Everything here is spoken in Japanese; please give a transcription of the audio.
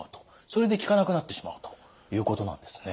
それで効かなくなってしまうということなんですね。